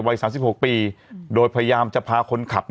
๓๖ปีโดยพยายามจะพาคนขับ